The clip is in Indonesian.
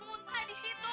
muntah di situ